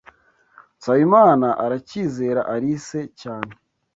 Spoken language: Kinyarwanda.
Nsabimana aracyizera Alice cyane.